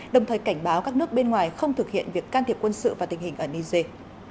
đồng thời cảnh báo các nước bên ngoài không thực hiện việc can thiệp quân sự và tình hình ở niger